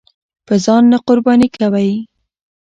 به ځان نه قرباني کوئ!